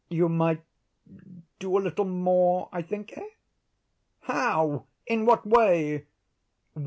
You might—do a little more, I think, eh?" "How?—in what way?"